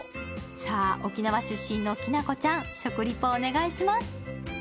さあ、沖縄出身のきなこちゃん、食リポお願いします。